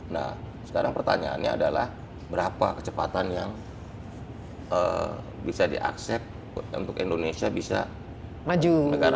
nah sekarang pertanyaannya adalah berapa kecepatan yang bisa diaksep untuk indonesia bisa maju negara